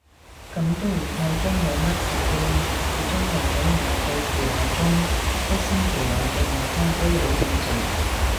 噉都唔太驚有乜事嘅，始終人體唔係計時鬧鐘，一星期內嘅誤差都好正常